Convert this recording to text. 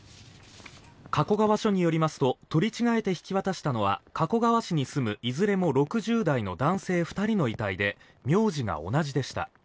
加古川署によりますと取り違えて引き渡したのは加古川市に住むいずれも６０代の男性２人の遺体で名字が同じでした。